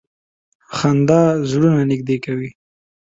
• خندا زړونه نږدې کوي.